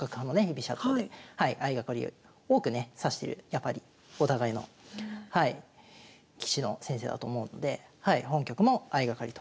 居飛車党で相掛かりを多くね指してるやっぱりお互いのはい棋士の先生だと思うので本局も相掛かりということになってます。